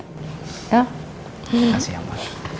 makasih ya emma